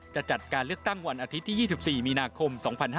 จัดการเลือกตั้งวันอาทิตย์ที่๒๔มีนาคม๒๕๕๙